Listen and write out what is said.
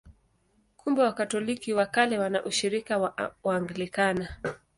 Kumbe Wakatoliki wa Kale wana ushirika na Waanglikana.